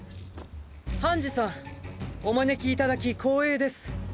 ハンジさんお招きいただき光栄です。